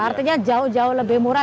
artinya jauh jauh lebih murah